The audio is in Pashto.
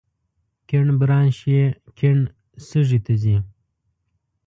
کیڼ برانش یې کیڼ سږي ته ځي.